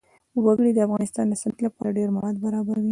وګړي د افغانستان د صنعت لپاره ډېر مواد برابروي.